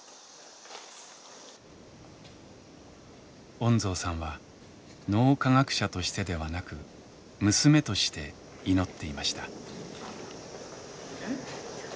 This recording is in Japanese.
恩蔵さんは脳科学者としてではなく娘として祈っていました。